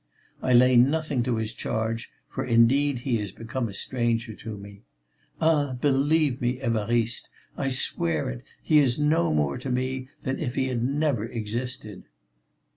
I lay nothing to his charge, for indeed he is become a stranger to me. Ah! believe me, Évariste, I swear it, he is no more to me than if he had never existed."